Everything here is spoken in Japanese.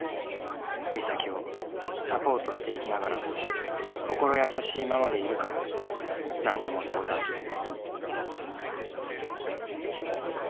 美咲をサポートしていきながら心優しいママでいるから何でも相談してね」。